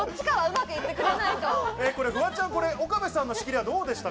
フワちゃん、岡部さんの仕切りどうでした？